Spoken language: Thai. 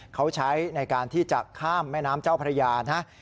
เขาใช้ในการที่จะข้ามแม่น้ำเจ้าพระยานะ